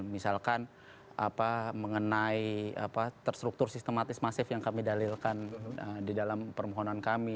misalkan mengenai terstruktur sistematis masif yang kami dalilkan di dalam permohonan kami